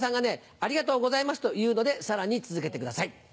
「ありがとうございます」と言うのでさらに続けてください